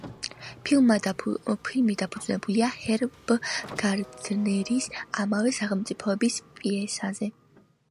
ფილმი დაფუძნებულია ჰერბ გარდნერის ამავე სახელწოდების პიესაზე.